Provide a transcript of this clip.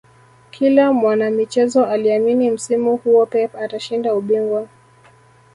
kila mwanamichezo aliamini msimu huo pep atashinda ubingwa